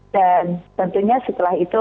dan tentunya setelah itu